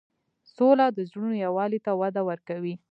سوله د زړونو یووالی ته وده ورکوي.